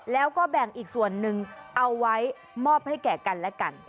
แล้วก็แบ่งอีกส่วนหนึ่งเอาไว้มอบให้แก่กันและกัน